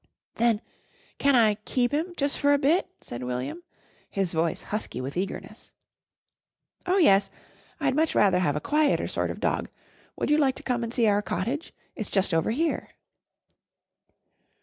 "Then can I keep him jus' for a bit?" said William, his voice husky with eagerness. "Oh, yes. I'd much rather have a quieter sort of dog. Would you like to come and see our cottage? It's just over here."